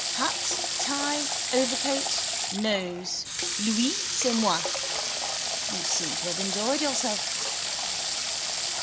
Hat, tie, overcoat, nose. Lui, c'est moi. You seem to have enjoyed yourself.